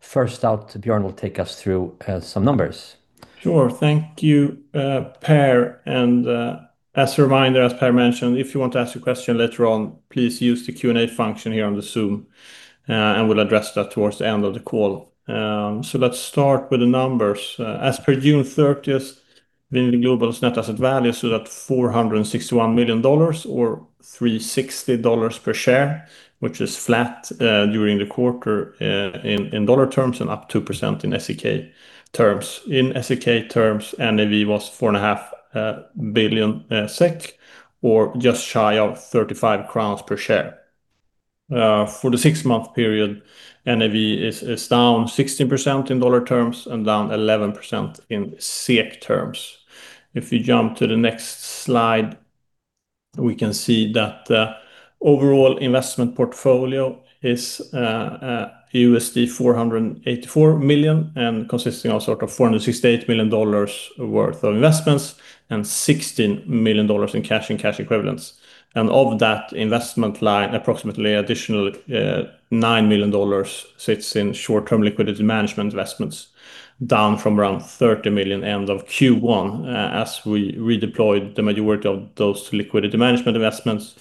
First out, Björn will take us through some numbers. Sure. Thank you, Per. As a reminder, as Per mentioned, if you want to ask a question later on, please use the Q&A function here on the Zoom, and we'll address that towards the end of the call. Let's start with the numbers. As per June 30th, VNV Global's net asset value stood at $461 million or $360 per share, which is flat during the quarter in dollar terms and up 2% in SEK terms. In SEK terms, NAV was 4.5 billion SEK, or just shy of 35 crowns per share. For the six-month period, NAV is down 16% in dollar terms and down 11% in SEK terms. If you jump to the next slide, we can see that the overall investment portfolio is $484 million and consisting of sort of $468 million worth of investments and $16 million in cash and cash equivalents. Of that investment line, approximately additional $9 million sits in short-term liquidity management investments, down from around $30 million end of Q1, as we redeployed the majority of those liquidity management investments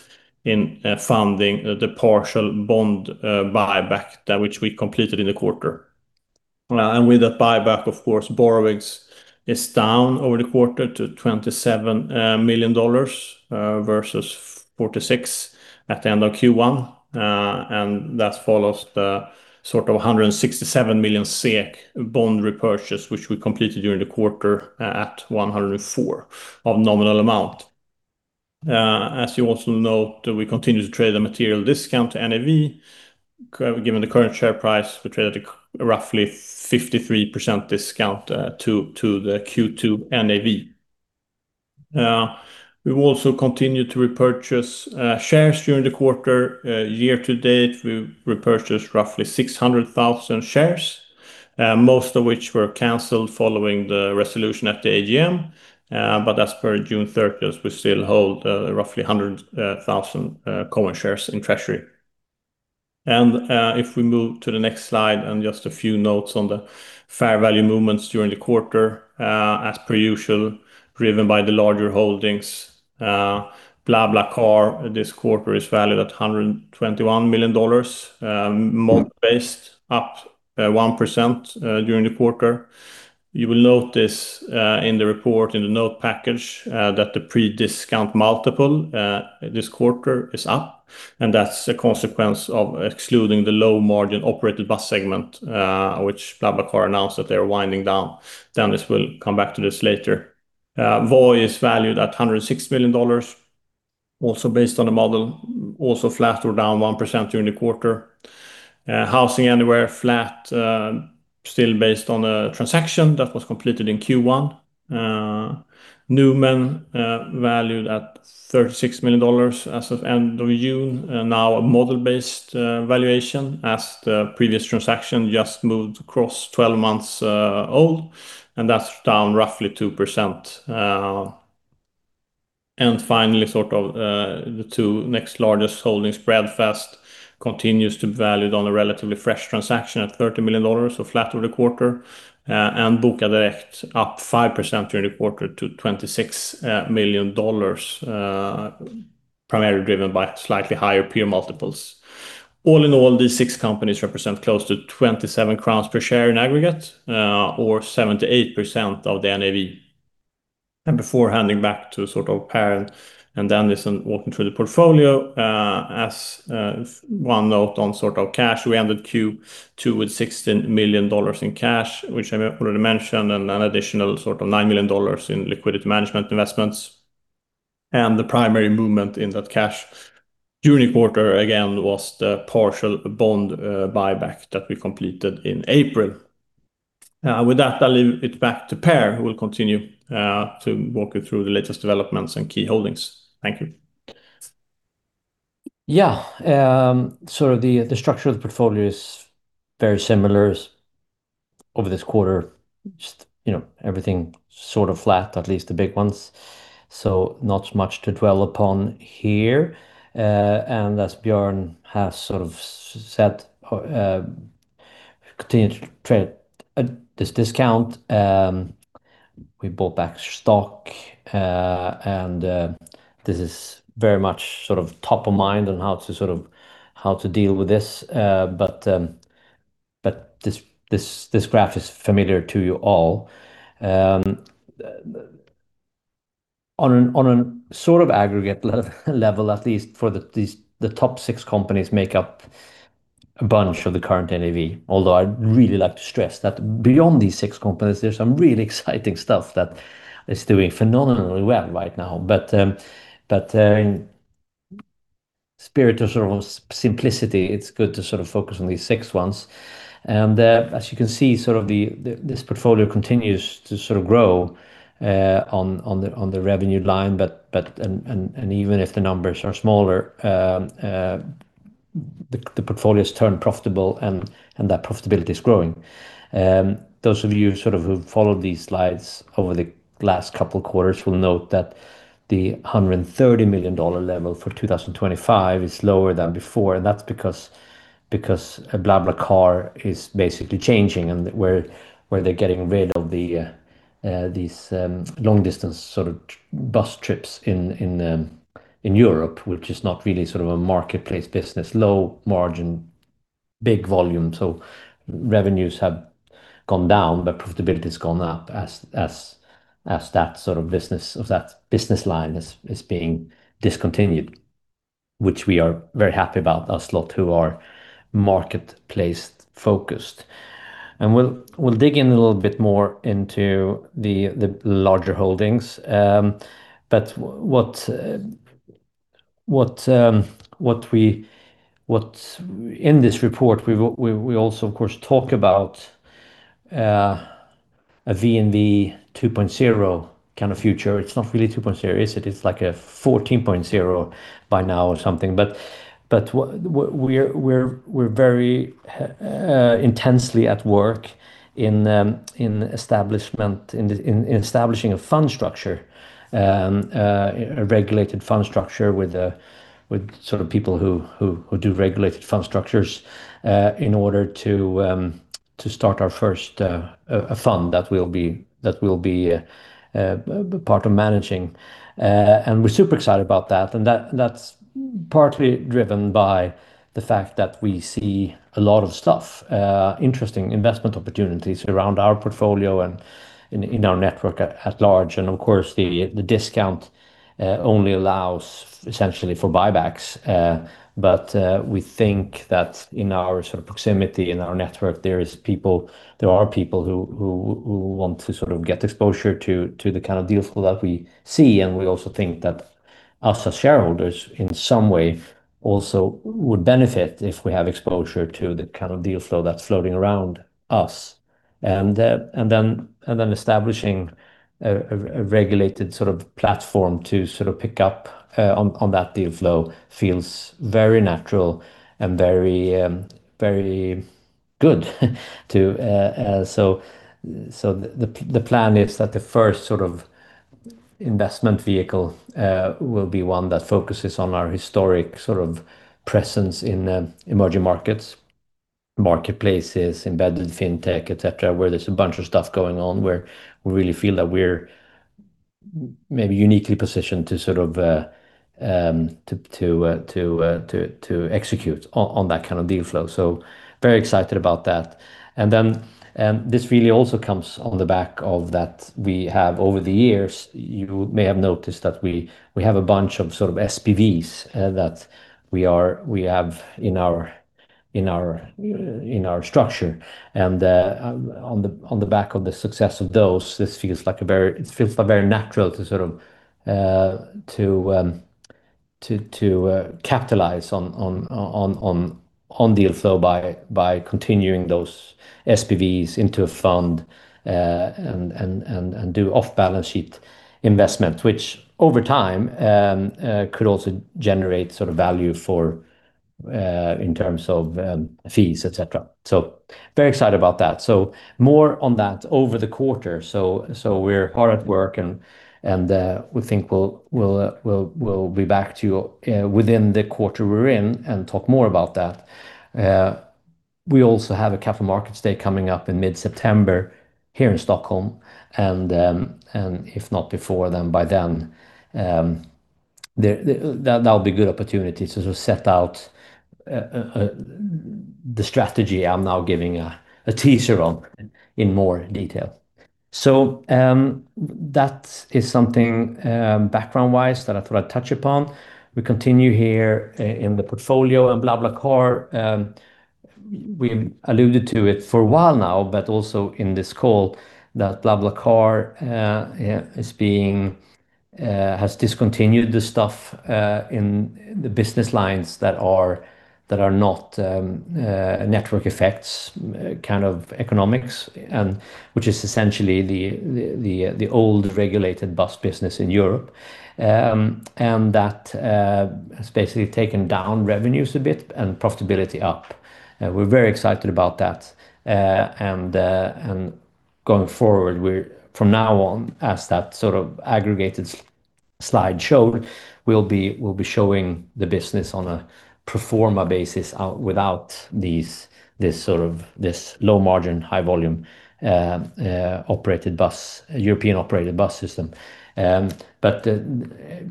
in funding the partial bond buyback that which we completed in the quarter. With that buyback, of course, borrowings is down over the quarter to $27 million, versus $46 million at the end of Q1. That follows the sort of 167 million SEK bond repurchase, which we completed during the quarter at 104 of nominal amount. You also note, we continue to trade a material discount to NAV. Given the current share price, we trade at a roughly 53% discount to the Q2 NAV. We will also continue to repurchase shares during the quarter. Year-to-date, we've repurchased roughly 600,000 shares, most of which were canceled following the resolution at the AGM. As per June 30th, we still hold roughly 100,000 common shares in treasury. If we move to the next slide and just a few notes on the fair value movements during the quarter, as per usual, driven by the larger holdings. BlaBlaCar this quarter is valued at $121 million, model-based, up 1% during the quarter. You will note this in the report in the note package, that the pre-discount multiple this quarter is up, and that's a consequence of excluding the low-margin operated bus segment, which BlaBlaCar announced that they're winding down. Dennis will come back to this later. Voi is valued at $106 million, also based on a model, also flat or down 1% during the quarter. HousingAnywhere, flat, still based on a transaction that was completed in Q1. Numan valued at $36 million as of end of June. Now a model-based valuation as the previous transaction just moved across 12 months old, and that's down roughly 2%. Finally, sort of the two next largest holdings, Breadfast continues to be valued on a relatively fresh transaction at $30 million, so flat over the quarter. Bokadirekt up 5% during the quarter to $26 million, primarily driven by slightly higher peer multiples. All in all, these six companies represent close to 27 crowns per share in aggregate, or 78% of the NAV. Before handing back to sort of Per and Dennis walking through the portfolio, as one note on sort of cash, we ended Q2 with $16 million in cash, which I already mentioned, and an additional sort of $9 million in liquidity management investments. The primary movement in that cash during the quarter again was the partial bond buyback that we completed in April. With that, I'll leave it back to Per, who will continue to walk you through the latest developments and key holdings. Thank you. Yeah, sort of the structure of the portfolio is very similar over this quarter. Just everything sort of flat, at least the big ones. Not much to dwell upon here. As Björn has sort of said, continued to trade at this discount. We bought back stock, and this is very much sort of top of mind on how to deal with this. This graph is familiar to you all. On a sort of aggregate level, at least for these, the top six companies make up a bunch of the current NAV. I'd really like to stress that beyond these six companies, there's some really exciting stuff that is doing phenomenally well right now. In spirit of sort of simplicity, it's good to sort of focus on these six ones. As you can see, sort of this portfolio continues to sort of grow on the revenue line, and even if the numbers are smaller, the portfolio's turned profitable, and that profitability is growing. Those of you sort of who've followed these slides over the last couple quarters will note that the $130 million level for 2025 is lower than before, and that's because BlaBlaCar is basically changing, and where they're getting rid of these long-distance sort of bus trips in Europe, which is not really sort of a marketplace business. Low margin, big volume. Revenues have gone down, but profitability's gone up as that business line is being discontinued, which we are very happy about, us lot who are marketplace-focused. We'll dig in a little bit more into the larger holdings. In this report, we also, of course, talk about a VNV 2.0 kind of future. It's not really 2.0, is it? It's like a 14.0 by now or something. We're very intensely at work in establishing a fund structure, a regulated fund structure with people who do regulated fund structures, in order to start our first fund that we'll be part of managing. We're super excited about that, and that's partly driven by the fact that we see a lot of stuff, interesting investment opportunities around our portfolio and in our network at large. Of course, the discount only allows essentially for buybacks. We think that in our sort of proximity, in our network, there are people who want to sort of get exposure to the kind of deal flow that we see. We also think that us as shareholders, in some way, also would benefit if we have exposure to the kind of deal flow that's floating around us. Establishing a regulated sort of platform to pick up on that deal flow feels very natural and very good too. The plan is that the first sort of investment vehicle will be one that focuses on our historic sort of presence in emerging markets, marketplaces, embedded fintech, etc, where there's a bunch of stuff going on, where we really feel that we're maybe uniquely positioned to execute on that kind of deal flow. Very excited about that. This really also comes on the back of that we have over the years, you may have noticed that we have a bunch of sort of SPVs that we have in our structure. On the back of the success of those, it feels very natural to capitalize on deal flow by continuing those SPVs into a fund, and do off-balance sheet investment, which over time could also generate sort of value in terms of fees, etc. Very excited about that. More on that over the quarter. We're hard at work, and we think we'll be back to you within the quarter we're in and talk more about that. We also have a Capital Markets Day coming up in mid-September here in Stockholm, and if not before, then by then. That'll be a good opportunity to sort of set out the strategy I'm now giving a teaser on in more detail. That is something background-wise that I thought I'd touch upon. We continue here in the portfolio, BlaBlaCar, we've alluded to it for a while now, but also in this call, that BlaBlaCar has discontinued the stuff in the business lines that are not network effects kind of economics, which is essentially the old regulated bus business in Europe. That has basically taken down revenues a bit and profitability up. We're very excited about that. Going forward, from now on, as that sort of aggregated slide showed, we'll be showing the business on a pro forma basis without this low margin, high volume European-operated bus system.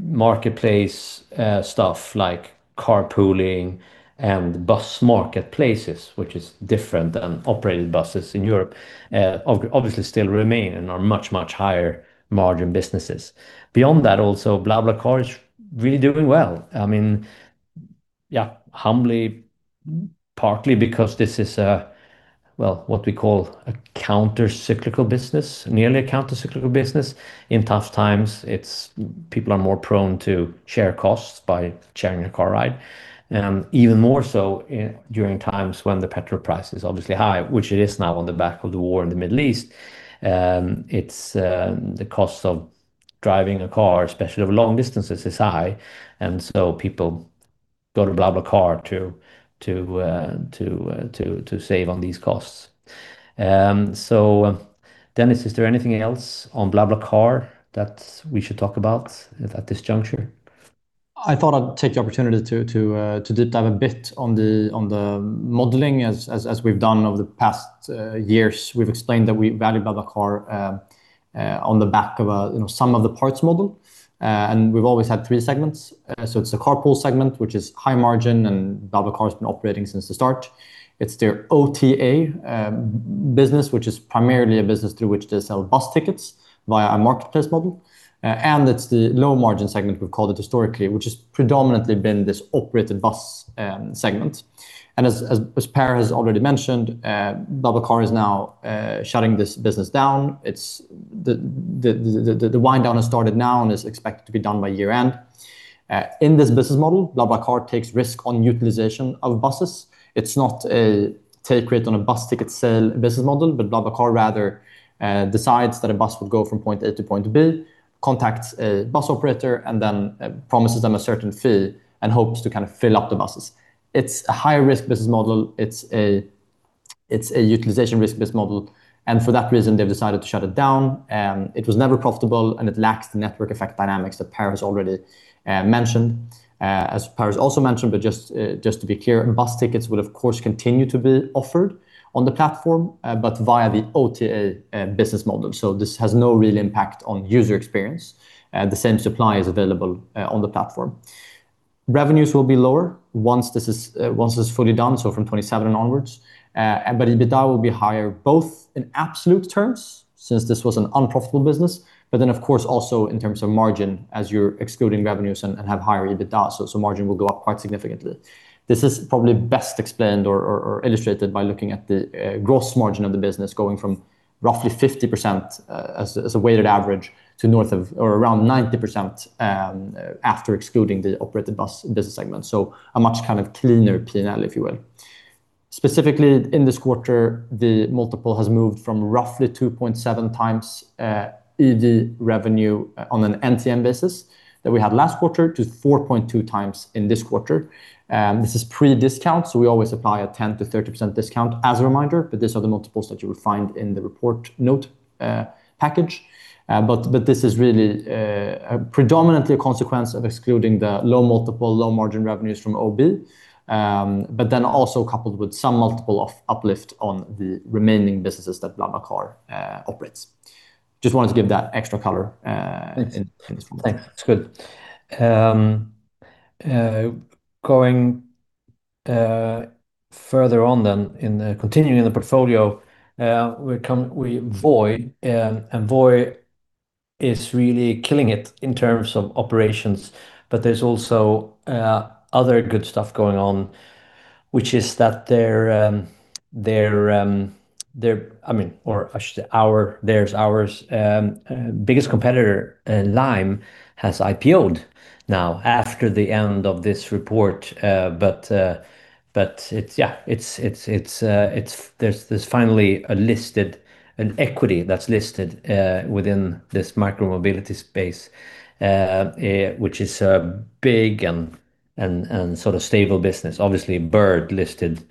Marketplace stuff like carpooling and bus marketplaces, which is different than operated buses in Europe, obviously still remain and are much, much higher margin businesses. Beyond that also, BlaBlaCar is really doing well. I mean, yeah, humbly, partly because this is a, well, what we call a counter-cyclical business, nearly a counter-cyclical business. In tough times, people are more prone to share costs by sharing a car ride. Even more so during times when the petrol price is obviously high, which it is now on the back of the war in the Middle East. The cost of driving a car, especially over long distances, is high. People go to BlaBlaCar to save on these costs. Dennis, is there anything else on BlaBlaCar that we should talk about at this juncture? I thought I'd take the opportunity to deep dive a bit on the modeling as we've done over the past years. We've explained that we value BlaBlaCar on the back of a sum of the parts model, and we've always had three segments. It's the carpool segment, which is high margin, and BlaBlaCar's been operating since the start. It's their OTA business, which is primarily a business through which they sell bus tickets via a marketplace model, and it's the low-margin segment, we've called it historically, which has predominantly been this operated bus segment. As Per has already mentioned, BlaBlaCar is now shutting this business down. The wind down has started now and is expected to be done by year-end. In this business model, BlaBlaCar takes risk on utilization of buses. It's not a take rate on a bus ticket sale business model, but BlaBlaCar rather decides that a bus would go from point A to point B, contacts a bus operator, and then promises them a certain fee and hopes to kind of fill up the buses. It's a high-risk business model. It's a utilization risk business model, and for that reason, they've decided to shut it down. It was never profitable, and it lacks the network effect dynamics that Per has already mentioned. As Per has also mentioned, but just to be clear, bus tickets will of course continue to be offered on the platform, but via the OTA business model. This has no real impact on user experience. The same supply is available on the platform. Revenues will be lower once this is fully done, so from 2027 onwards. EBITDA will be higher, both in absolute terms since this was an unprofitable business, but then of course also in terms of margin as you're excluding revenues and have higher EBITDA, so margin will go up quite significantly. This is probably best explained or illustrated by looking at the gross margin of the business going from roughly 50% as a weighted average to north of or around 90% after excluding the operated bus business segment. A much kind of cleaner P&L, if you will. Specifically in this quarter, the multiple has moved from roughly 2.7x EV/Revenue on an NTM basis that we had last quarter to 4.2x in this quarter. This is pre-discount, so we always apply a 10%-30% discount as a reminder, but these are the multiples that you would find in the report note package. This is really predominantly a consequence of excluding the low multiple, low-margin revenues from OB, coupled with some multiple of uplift on the remaining businesses that BlaBlaCar operates. Just wanted to give that extra color in this one. Thanks, that's good. Continuing in the portfolio, we come with Voi. Voi is really killing it in terms of operations. There's also other good stuff going on, which is that their biggest competitor, Lime, has IPO'd now after the end of this report. There's finally an equity that's listed within this micromobility space, which is a big and sort of stable business. Obviously, Bird listed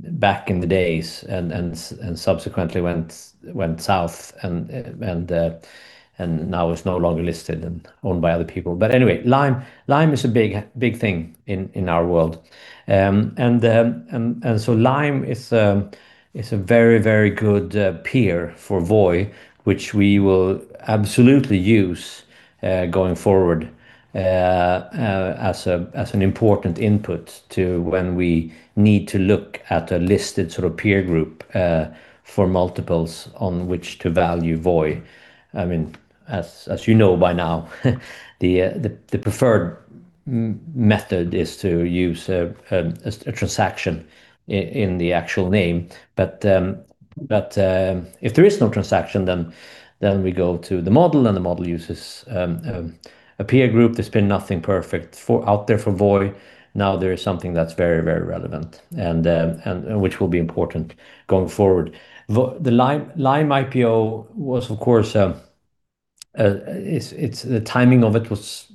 back in the days and subsequently went south and now is no longer listed and owned by other people. Lime is a big thing in our world. Lime is a very good peer for Voi, which we will absolutely use going forward as an important input to when we need to look at a listed sort of peer group for multiples on which to value Voi. As you know by now, the preferred method is to use a transaction in the actual name. If there is no transaction, we go to the model, and the model uses a peer group. There's been nothing perfect out there for Voi. Now there is something that's very relevant, and which will be important going forward. The Lime IPO was, of course, the timing of it was,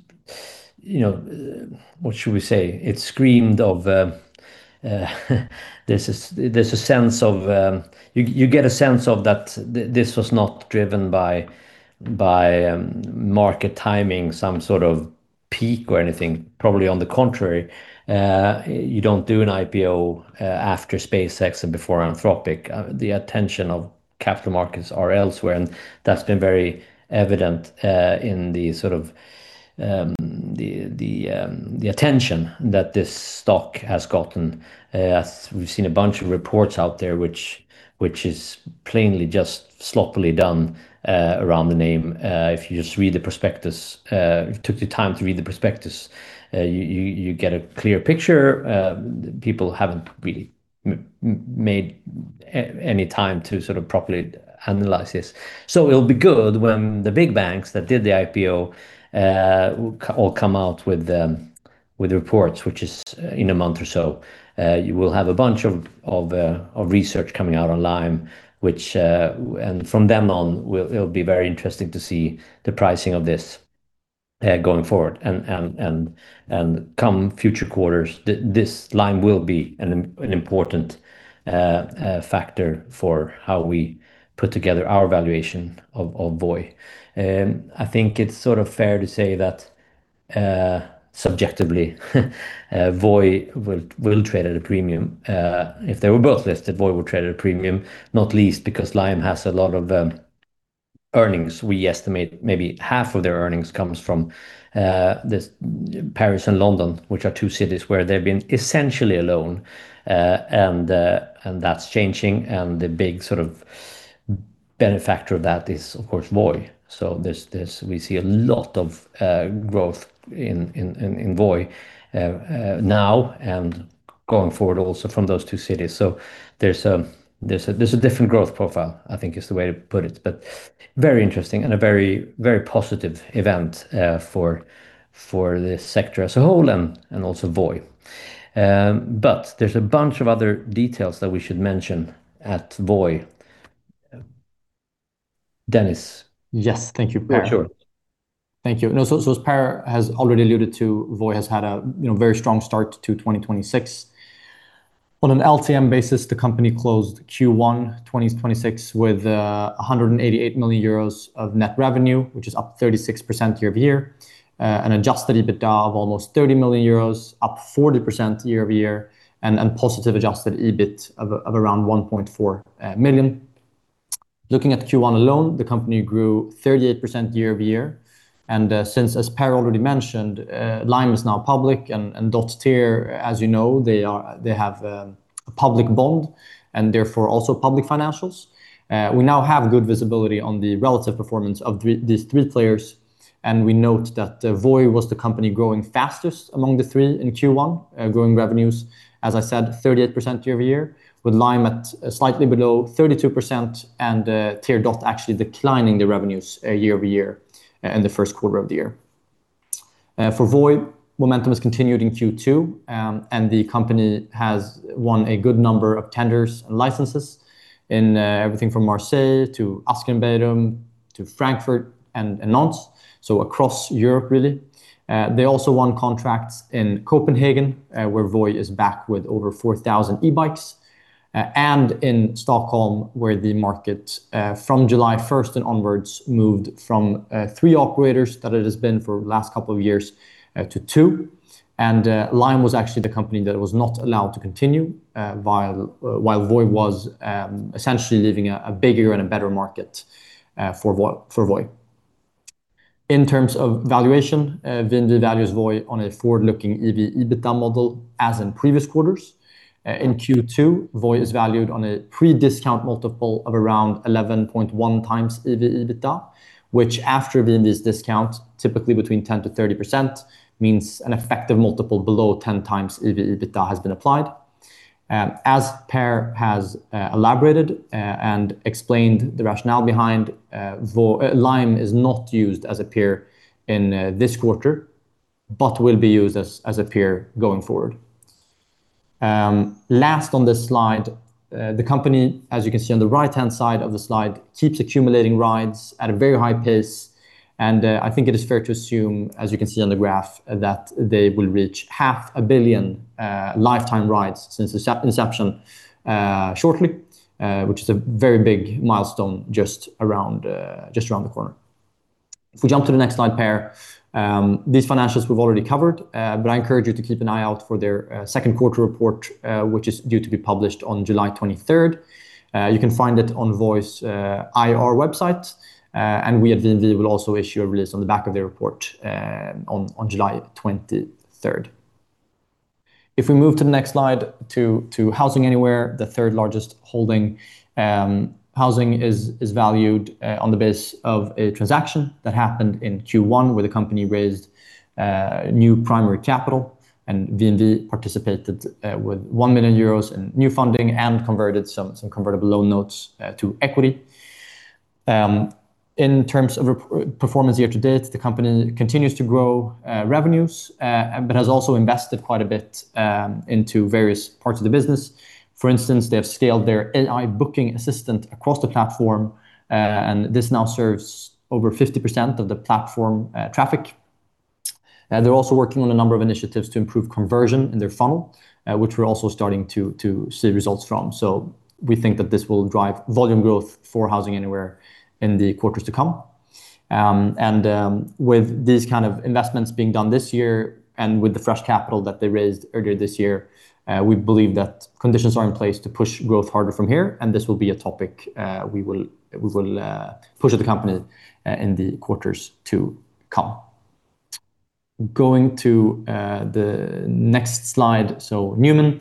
what should we say? It screamed of you get a sense of that this was not driven by market timing, some sort of peak or anything. Probably on the contrary, you don't do an IPO after SpaceX and before Anthropic. The attention of capital markets are elsewhere, and that's been very evident in the sort of attention that this stock has gotten. We've seen a bunch of reports out there which is plainly just sloppily done around the name. If you took the time to read the prospectus, you get a clear picture. People haven't really made any time to sort of properly analyze this. It'll be good when the big banks that did the IPO all come out with reports, which is in a month or so. You will have a bunch of research coming out on Lime, and from then on, it'll be very interesting to see the pricing of this going forward. Come future quarters, this Lime will be an important factor for how we put together our valuation of Voi. I think it's sort of fair to say that Subjectively, Voi will trade at a premium. If they were both listed, Voi will trade at a premium, not least because Lime has a lot of earnings. We estimate maybe half of their earnings comes from Paris and London, which are two cities where they've been essentially alone, and that's changing, and the big benefactor of that is, of course, Voi. We see a lot of growth in Voi now and going forward also from those two cities. There's a different growth profile, I think is the way to put it, but very interesting and a very positive event for this sector as a whole and also Voi. There's a bunch of other details that we should mention at Voi. Dennis? Yes. Thank you, Per. Yeah, sure. Thank you. As Per has already alluded to, Voi has had a very strong start to 2026. On an LTM basis, the company closed Q1 2026 with 188 million euros of net revenue, which is up 36% year-over-year, an adjusted EBITDA of almost 30 million euros, up 40% year-over-year, and positive adjusted EBIT of around 1.4 million. Looking at Q1 alone, the company grew 38% year-over-year, and since, as Per already mentioned, Lime is now public and Dott/TIER, as you know, they have a public bond, and therefore, also public financials. We now have good visibility on the relative performance of these three players. We note that Voi was the company growing fastest among the three in Q1, growing revenues, as I said, 38% year-over-year, with Lime at slightly below 32% and TIER-Dott actually declining the revenues year-over-year in the first quarter of the year. For Voi, momentum has continued in Q2. The company has won a good number of tenders and licenses in everything from Marseille to Asker and Bærum to Frankfurt and Nantes, across Europe, really. They also won contracts in Copenhagen, where Voi is back with over 4,000 e-bikes. In Stockholm, where the market, from July 1st and onwards, moved from three operators that it has been for last couple of years to two. Lime was actually the company that was not allowed to continue, while Voi was essentially leaving a bigger and a better market for Voi. In terms of valuation, VNV values Voi on a forward-looking EBITDA model, as in previous quarters. In Q2, Voi is valued on a pre-discount multiple of around 11.1x EBITDA, which after VNV's discount, typically between 10%-30%, means an effective multiple below 10x EBITDA has been applied. As Per has elaborated and explained the rationale behind, Lime is not used as a peer in this quarter but will be used as a peer going forward. Last on this slide, the company, as you can see on the right-hand side of the slide, keeps accumulating rides at a very high pace. I think it is fair to assume, as you can see on the graph, that they will reach half a billion lifetime rides since inception shortly, which is a very big milestone just around the corner. If we jump to the next slide, Per, these financials we've already covered. I encourage you to keep an eye out for their second quarter report, which is due to be published on July 23rd. You can find it on Voi's IR website. We at VNV will also issue a release on the back of their report on July 23rd. If we move to the next slide to HousingAnywhere, the third largest holding. Housing is valued on the basis of a transaction that happened in Q1 where the company raised new primary capital. VNV participated with 1 million euros in new funding and converted some convertible loan notes to equity. In terms of performance year-to-date, the company continues to grow revenues but has also invested quite a bit into various parts of the business. For instance, they have scaled their AI booking assistant across the platform. This now serves over 50% of the platform traffic. They're also working on a number of initiatives to improve conversion in their funnel, which we're also starting to see results from. We think that this will drive volume growth for HousingAnywhere in the quarters to come. With these kind of investments being done this year and with the fresh capital that they raised earlier this year, we believe that conditions are in place to push growth harder from here, and this will be a topic we will push with the company in the quarters to come. Going to the next slide, Numan.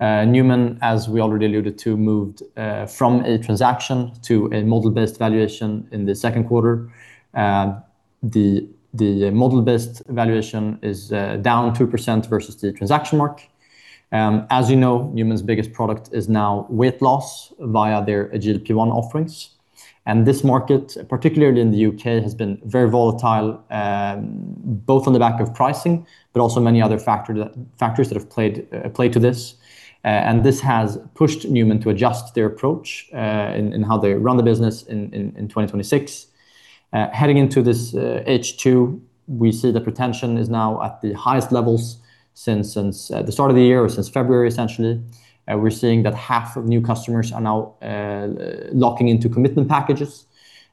Numan, as we already alluded to, moved from a transaction to a model-based valuation in the second quarter. The model-based valuation is down 2% versus the transaction mark. As you know, Numan's biggest product is now weight loss via their GLP-1 offerings, and this market, particularly in the U.K., has been very volatile, both on the back of pricing, but also many other factors that have played to this. This has pushed Numan to adjust their approach in how they run the business in 2026. Heading into this H2, we see the retention is now at the highest levels since the start of the year or since February, essentially. We're seeing that half of new customers are now locking into commitment packages,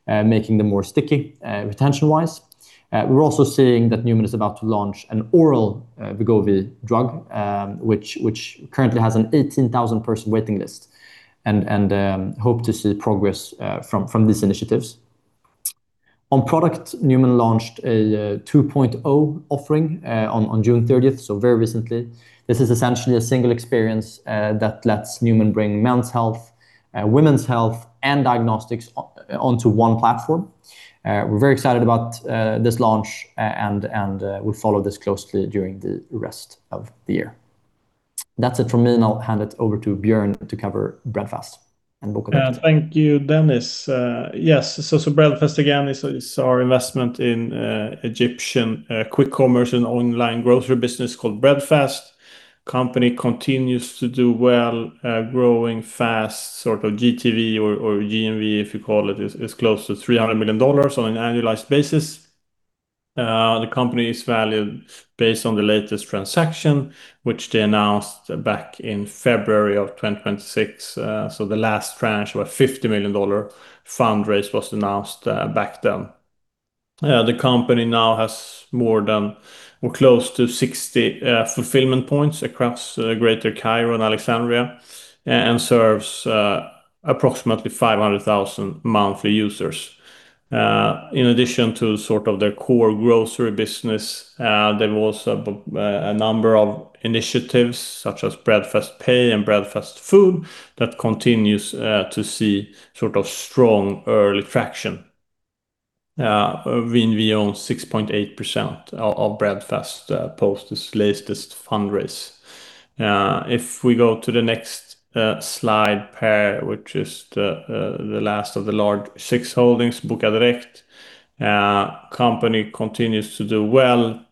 making them more sticky, retention-wise. We're also seeing that Numan is about to launch an oral Wegovy drug, which currently has an 18,000-person waiting list, and hope to see progress from these initiatives. On product, Numan launched a 2.0 offering on June 30th, so very recently. This is essentially a single experience that lets Numan bring men's health, women's health, and diagnostics onto one platform. We're very excited about this launch, and we'll follow this closely during the rest of the year. That's it from me, and I'll hand it over to Björn to cover Breadfast and Bokadirekt. Thank you, Dennis. Yes. Breadfast, again, is our investment in Egyptian quick commerce and online grocery business called Breadfast. Company continues to do well, growing fast. GTV or GMV, if you call it, is close to $300 million on an annualized basis. The company is valued based on the latest transaction, which they announced back in February of 2026. The last tranche of a $50 million fundraise was announced back then. The company now has more close to 60 fulfillment points across Greater Cairo and Alexandria and serves approximately 500,000 monthly users. In addition to their core grocery business, they've also a number of initiatives, such as Breadfast Pay and Breadfast Food, that continues to see strong early traction. VNV owns 6.8% of Breadfast post its latest fundraise. If we go to the next slide, Per, which is the last of the large six holdings, Bokadirekt. Company continues to do well.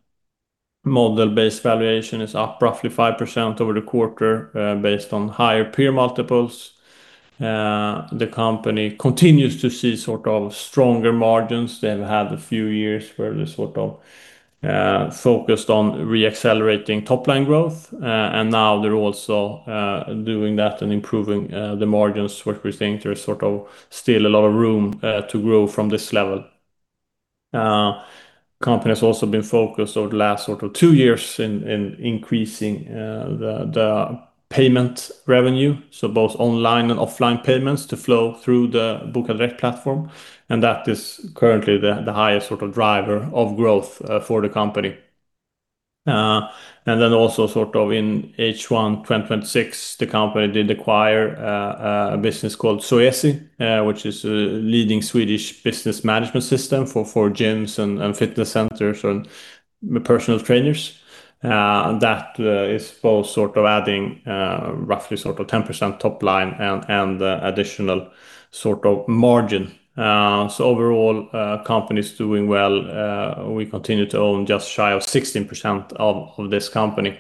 Model-based valuation is up roughly 5% over the quarter based on higher peer multiples. The company continues to see stronger margins. They have had a few years where they focused on re-accelerating top-line growth, and now they're also doing that and improving the margins, which we think there is still a lot of room to grow from this level. Company's also been focused over the last two years in increasing the payment revenue, so both online and offline payments to flow through the Bokadirekt platform, and that is currently the highest driver of growth for the company. In H1 2026, the company did acquire a business called Zoezi, which is a leading Swedish business management system for gyms and fitness centers and personal trainers. That is both adding roughly 10% top line and additional margin. Overall, company's doing well. We continue to own just shy of 16% of this company.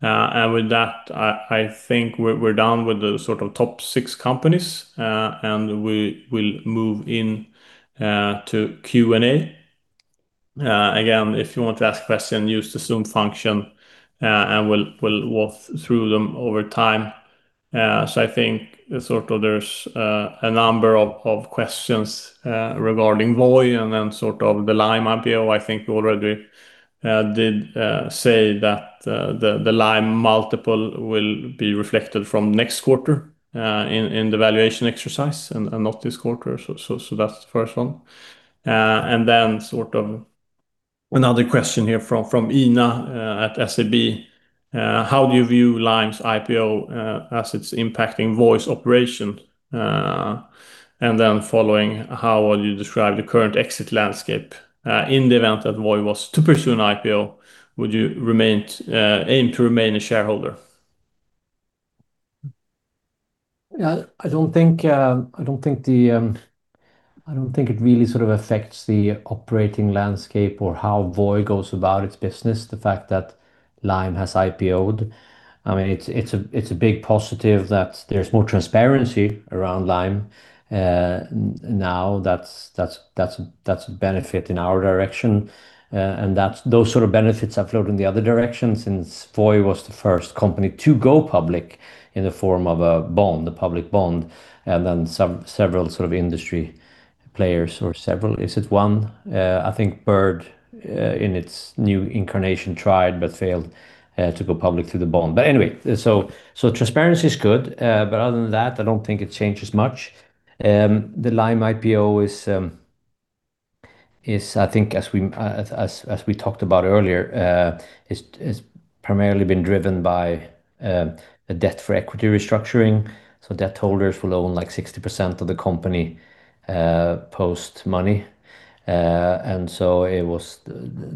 With that, I think we're done with the top six companies, and we will move in to Q&A. If you want to ask a question, use the Zoom function, and we'll walk through them over time. I think there's a number of questions regarding Voi and the Lime IPO. I think we already did say that the Lime multiple will be reflected from next quarter in the valuation exercise and not this quarter. That's the first one. Another question here from Ina at SEB. "How do you view Lime's IPO as it's impacting Voi's operation?" and following, "How would you describe the current exit landscape in the event that Voi was to pursue an IPO? Would you aim to remain a shareholder?" I don't think it really affects the operating landscape or how Voi goes about its business, the fact that Lime has IPO'd. It's a big positive that there's more transparency around Lime. That's a benefit in our direction, and those sort of benefits are flowing the other direction since Voi was the first company to go public in the form of a bond, a public bond, and then several industry players or several, is it one? I think Bird, in its new incarnation, tried but failed to go public through the bond. Transparency's good. Other than that, I don't think it changes much. The Lime IPO is, I think as we talked about earlier, has primarily been driven by a debt for equity restructuring. Debt holders will own 60% of the company post-money.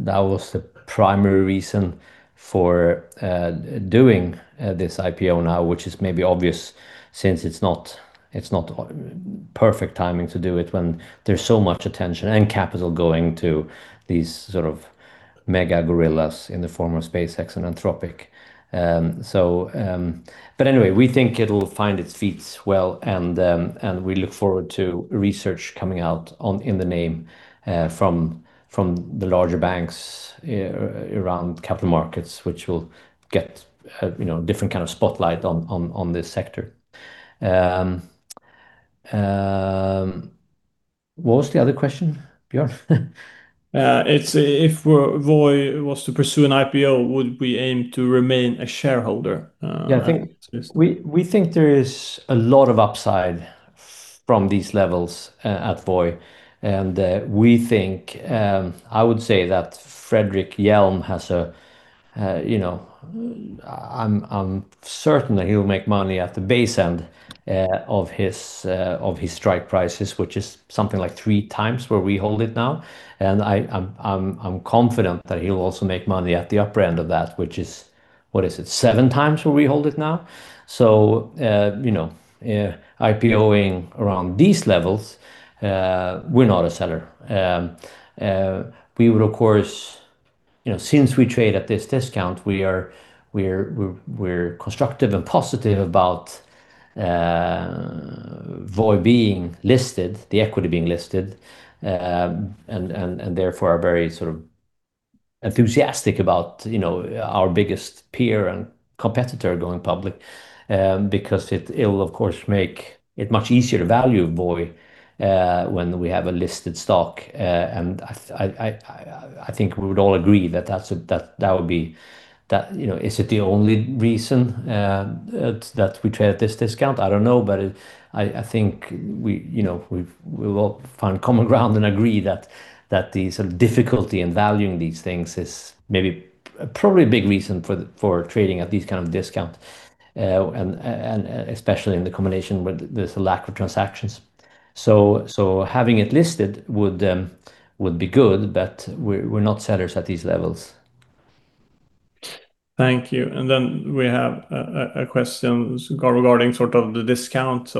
That was the primary reason for doing this IPO now, which is maybe obvious since it's not perfect timing to do it when there's so much attention and capital going to these mega gorillas in the form of SpaceX and Anthropic. We think it'll find its feats well, and we look forward to research coming out in the name from the larger banks around capital markets, which will get a different kind of spotlight on this sector. What was the other question, Björn? "If Voi was to pursue an IPO, would we aim to remain a shareholder?" Yeah. We think there is a lot of upside from these levels at Voi. I would say that Fredrik Hjelm has I'm certain that he'll make money at the base end of his strike prices, which is something like three times where we hold it now. I'm confident that he'll also make money at the upper end of that, which is, what is it? Seven times where we hold it now. IPO-ing around these levels, we're not a seller. Since we trade at this discount, we're constructive and positive about Voi being listed, the equity being listed, and therefore are very sort of enthusiastic about our biggest peer and competitor going public, because it'll of course make it much easier to value Voi, when we have a listed stock. I think we would all agree that, is it the only reason that we trade at this discount? I don't know, but I think we will all find common ground and agree that the sort of difficulty in valuing these things is maybe probably a big reason for trading at these kind of discount, and especially in the combination with there's a lack of transactions. Having it listed would be good, but we're not sellers at these levels. Thank you. We have a question regarding sort of the discount.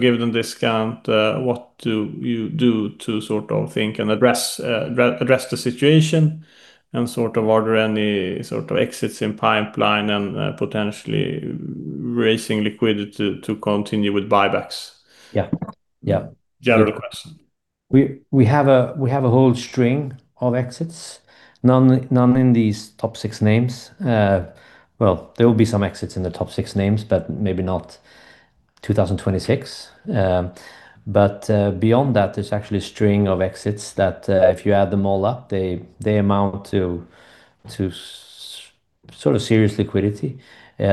Given discount, what do you do to sort of think and address the situation, and sort of order any sort of exits in pipeline and potentially raising liquidity to continue with buybacks? Yeah. General question. We have a whole string of exits, none in these top six names. There will be some exits in the top six names, but maybe not 2026. Beyond that, there's actually a string of exits that, if you add them all up, they amount to sort of serious liquidity. We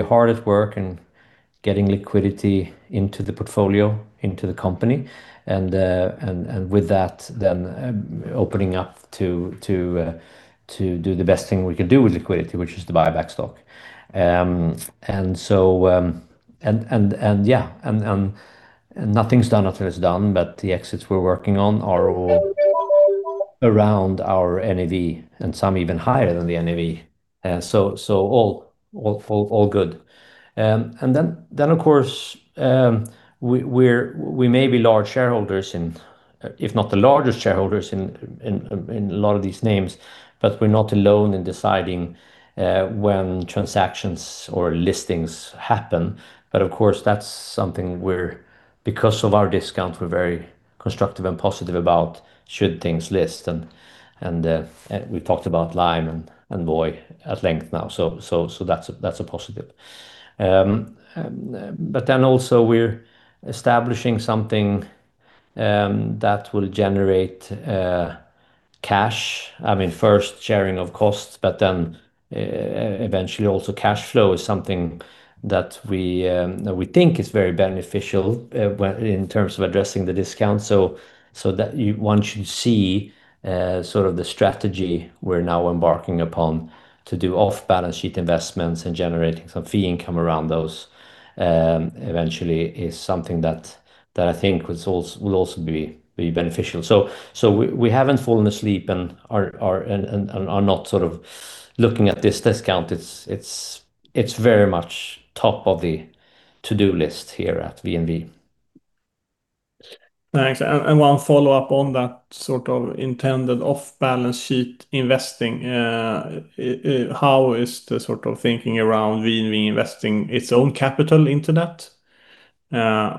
are hard at work in getting liquidity into the portfolio, into the company, and with that then opening up to do the best thing we can do with liquidity, which is to buy back stock, and yeah, nothing's done until it's done, but the exits we're working on are all around our NAV, and some even higher than the NAV. All good. Then, of course, we may be large shareholders in, if not the largest shareholders in a lot of these names, but we're not alone in deciding when transactions or listings happen. Of course, that's something where, because of our discount, we're very constructive and positive about should things list and we've talked about Lime and Voi at length now, that's a positive. Also we're establishing something that will generate cash. First sharing of costs, eventually also cash flow is something that we think is very beneficial in terms of addressing the discount. That once you see sort of the strategy we're now embarking upon to do off-balance sheet investments and generating some fee income around those, eventually is something that I think will also be beneficial. We haven't fallen asleep and are not sort of looking at this discount. It's very much top of the to-do list here at VNV. Thanks. One follow-up on that sort of intended off-balance sheet investing. How is the sort of thinking around VNV investing its own capital into that? Yeah.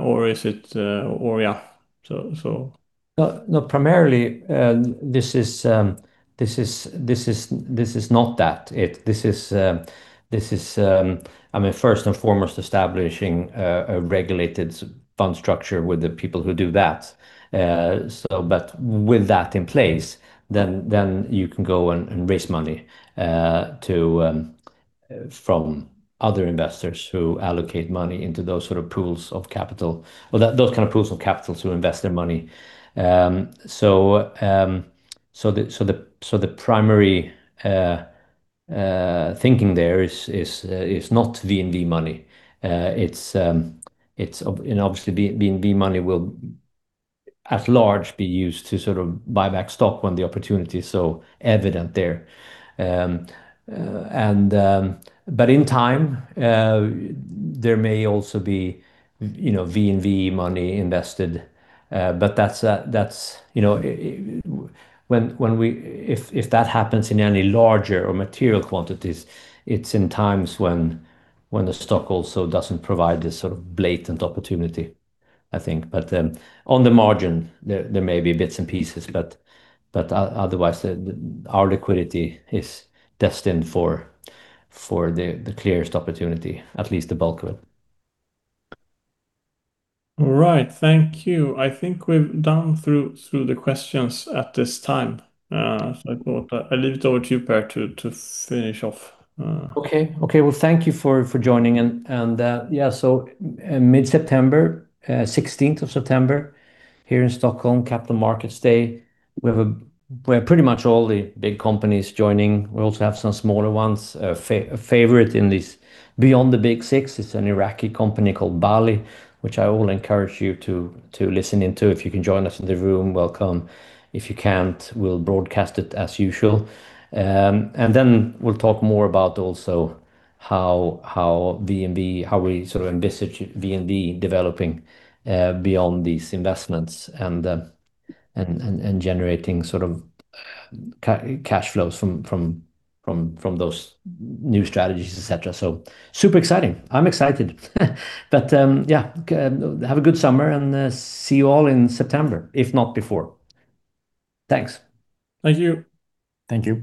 Primarily, this is not that. This is first and foremost establishing a regulated fund structure with the people who do that. With that in place, you can go and raise money from other investors who allocate money into those sort of pools of capital, or those kind of pools of capital to invest their money. The primary thinking there is not VNV money. Obviously VNV money will at large be used to sort of buy back stock when the opportunity is so evident there. In time, there may also be VNV money invested. If that happens in any larger or material quantities, it's in times when the stock also doesn't provide this sort of blatant opportunity, I think. On the margin, there may be bits and pieces, but otherwise, our liquidity is destined for the clearest opportunity, at least the bulk of it. All right, thank you. I think we've gone through the questions at this time. I thought I leave it over to you, Per, to finish off. Thank you for joining. Mid-September, 16th of September here in Stockholm, Capital Markets Day. We have pretty much all the big companies joining. We also have some smaller ones. A favorite in this beyond the big six is an Iraqi company called Janbali, which I will encourage you to listen in to. If you can join us in the room, welcome. If you can't, we'll broadcast it as usual. We'll talk more about also how we sort of envisage VNV developing, beyond these investments and generating sort of cash flows from those new strategies, etc. Super exciting. I'm excited. Have a good summer and see you all in September, if not before. Thanks. Thank you. Thank you.